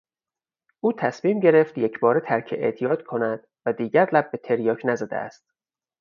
او تصمیم گرفت یکباره ترک اعتیاد کند و دیگر لب به تریاک نزده است.